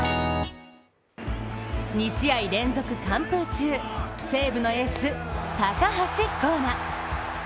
２試合連続完封中、西武のエース高橋光成。